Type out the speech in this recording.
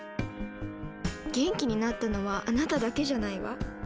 元気になったのはあなただけじゃないわ。